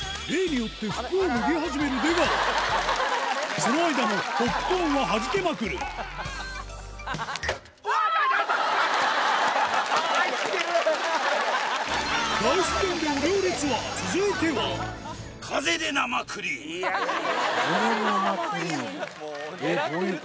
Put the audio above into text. その間もポップコーンははじけまくる「大自然でお料理ツアー」嫌な言い方。